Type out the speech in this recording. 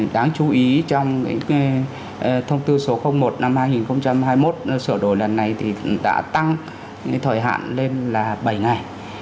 đáng chú ý trong thông tư số một năm hai nghìn hai mươi một sửa đổi lần này thì đã tăng thời hạn lên là bảy ngày